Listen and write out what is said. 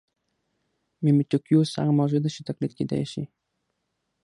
میمیټیکوس هغه موضوع ده چې تقلید کېدای شي